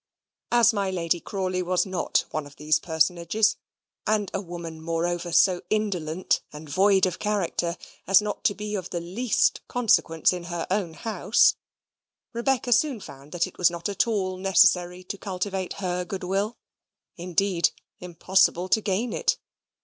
As my Lady Crawley was not one of these personages, and a woman, moreover, so indolent and void of character as not to be of the least consequence in her own house, Rebecca soon found that it was not at all necessary to cultivate her good will indeed, impossible to gain it.